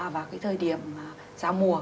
vào cái thời điểm giao mùa